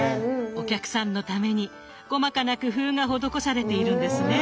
お客さんのために細かな工夫が施されているんですね。